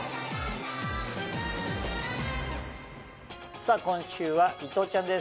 さぁ今週は伊藤ちゃんです